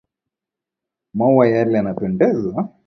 Maua yale yanapendeza .